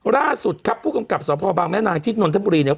ล่าสุดครับผู้กำกับสพบางแม่นางที่นนทบุรีเนี่ย